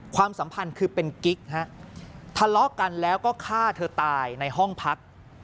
ความสัมพันธ์คือเป็นกิ๊กฮะทะเลาะกันแล้วก็ฆ่าเธอตายในห้องพัก